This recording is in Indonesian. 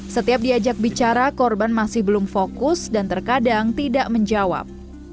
setiap diajak bicara korban masih belum fokus dan terkadang tidak menjawab